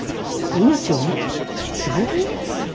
命をもって償います」。